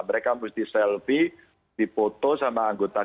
mereka musti selfie dipoto sama anggota keluarga